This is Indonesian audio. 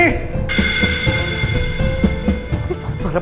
ini suara pangeran